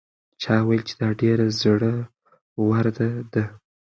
چا وویل چې دا ډېره زړه وره ده؟